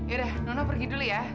yaudah nono pergi dulu ya